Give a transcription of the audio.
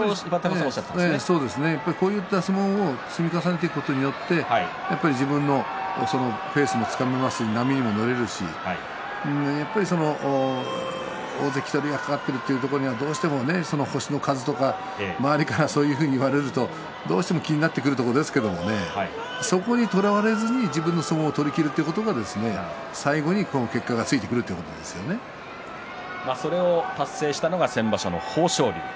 そうですねこういった相撲を積み重ねていくことによって自分のペースもつかめますし波にも乗れるし大関取りがかかっているというのは星の数とか周りから言われるとどうしても気になってくるところですけれどもそこにとらわれずに自分の相撲を取りきるということが最後に結果がついてくるそれが達成したのが先場所の豊昇龍。